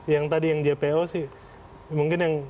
yang tadi yang jpo sih mungkin yang